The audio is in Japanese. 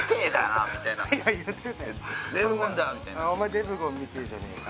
みたいな「お前デブゴンみてえじゃねえか」